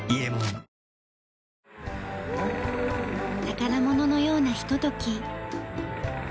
宝物のようなひととき。